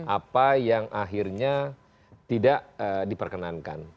apa yang akhirnya tidak diperkenankan